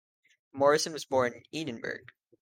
Morison was born in Edinburgh.